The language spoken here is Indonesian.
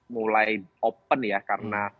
mulai open ya karena